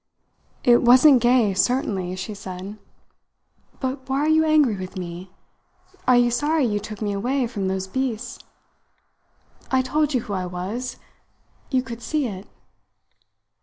"It wasn't gay, certainly," she said. "But why are you angry with me? Are you sorry you took me away from those beasts? I told you who I was. You could see it."